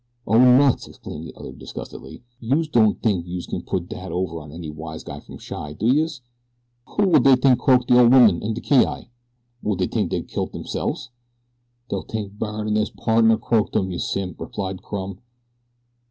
"Oh, nuts!" exclaimed the other disgustedly. "Youse don't tink youse can put dat over on any wise guy from Chi, do youse? Who will dey tink croaked de old woman an' de ki yi? Will dey tink dey kilt deyreselves?" "Dey'll tink Byrne an' his pardner croaked 'em, you simp," replied Crumb.